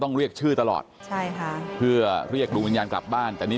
เรียกชื่อตลอดใช่ค่ะเพื่อเรียกดวงวิญญาณกลับบ้านแต่นี่